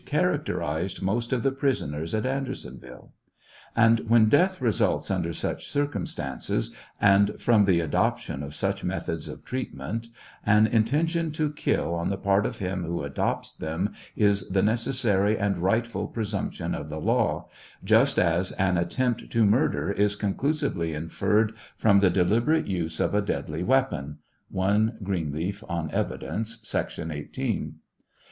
characterized most of the prisoners at Andersonville ? And when death results under such circumstances and from the adoption of such methods of treatment, an intention to kill on the part of him who adopts them is the necessary and rightful presumption of the law, just as "an Intent to murder is conclusively inferred from the deliberate use of a deadly weapon." (I Greenleaf on Evidence, sec. 18.)